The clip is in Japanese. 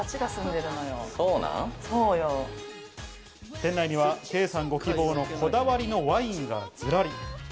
店内にはケイさんご希望のこだわりのワインがずらり。